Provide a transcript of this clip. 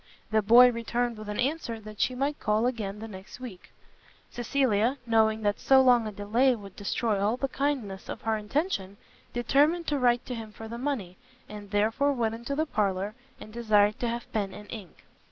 The boy returned with an answer that she might call again the next week. Cecilia, knowing that so long a delay would destroy all the kindness of her intention, determined to write to him for the money, and therefore went into the parlour, and desired to have pen and ink.